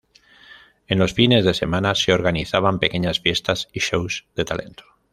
En los fines de semana se organizaban pequeñas fiestas y shows de talento.